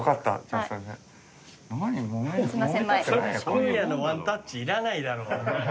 小宮のワンタッチいらないだろ。